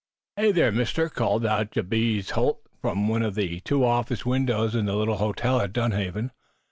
"Hey, there, Mister!" called out Jabez Holt, from one of the two office windows in the little hotel at Dunhaven.